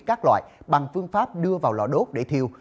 các loại bằng phương pháp đưa vào lò đốt để thiêu